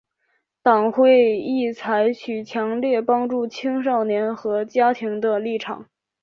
党会议采取强烈帮助青少年和家庭的立场。